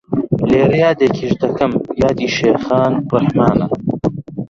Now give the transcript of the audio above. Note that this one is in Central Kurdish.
لێرە یادێکیش دەکەم یادی شێخان ڕەحمانە